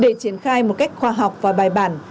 để triển khai một cách khoa học và bài bản